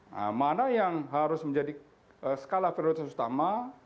nah mana yang harus menjadi skala prioritas utama